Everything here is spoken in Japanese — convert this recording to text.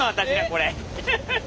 これ？